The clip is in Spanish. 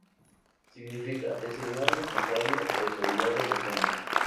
Significa: ‘El señor responsable o autoridad de los hombres’.